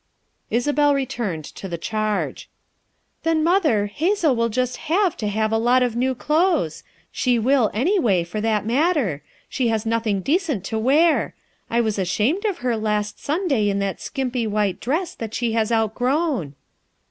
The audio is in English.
Isabel returned to the charge. "Then, Mother, Hazel will just have to have a lot of new clothes. She will, anyway, for that matter; she has nothing decent to wear. I was ashamed of her last Sunday in that skimpy white dress that she has outgrown."